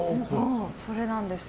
それなんですよ。